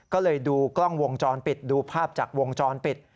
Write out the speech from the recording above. ก็เลยดูกล้องวงจรปิดดูภาพจากวงจรปิด